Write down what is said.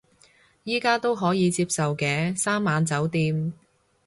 而家都可以接受嘅，三晚酒店